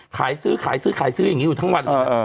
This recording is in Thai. ขายซื้ออย่างงี้อยู่ทั้งวัน